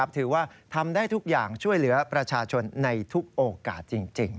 ถือว่าทำได้ทุกอย่างช่วยเหลือประชาชนในทุกโอกาสจริง